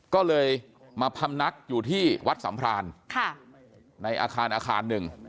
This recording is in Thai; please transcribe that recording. ก็เลยมาพำนักอยู่ที่วัดสัมพรานในอาคารอาคารหนึ่ง